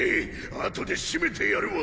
あとでシメてやるわ。